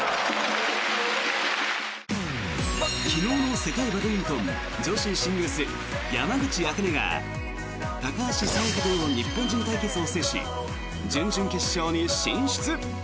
昨日の世界バドミントン女子シングルス、山口茜が高橋沙也加との日本人対決を制し準々決勝に進出！